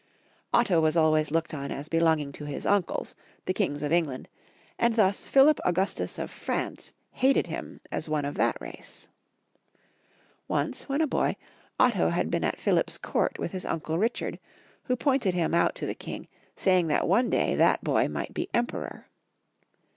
Otto was always looked on as belonging to his uncles, the Kings of England, and thus Philip Augustus of France hated him as one of that race. Once, when a boy. Otto had been at Philip's court with his imcle Richard, who pointed him out to the King, saying that one day that boy might be Em peror.